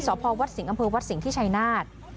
สพวัดสิงห์อำเภอวัดสิงห์ที่ชายนาฏ